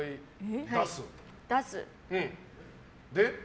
出す。